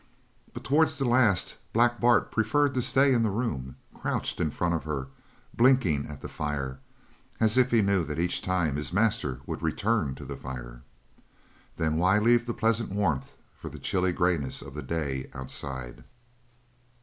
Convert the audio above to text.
But towards the last Black Bart preferred to stay in the room, crouched in front of her and blinking at the fire, as if he knew that each time his master would return to the fire. Then, why leave the pleasant warmth for the chilly greyness of the day outside?